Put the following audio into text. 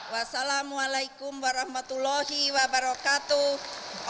wassalamu'alaikum warahmatullahi wabarakatuh